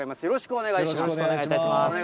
よろしくお願いします。